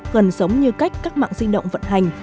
gần giống như cách các mạng di động vận hành